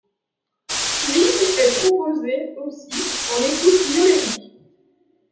Swigg est proposée aussi en écoute numérique.